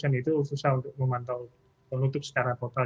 dan itu susah untuk memantau untuk menutup secara total